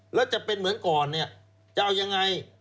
แล้วจะเป็นเหมือนก่อนเนี่ยจะเอายังไง